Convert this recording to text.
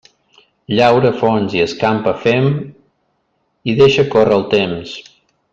Llaura fons i escampa fem, i deixa córrer el temps.